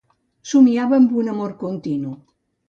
Somiava amb un amor continu